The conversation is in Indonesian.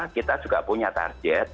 kita juga punya target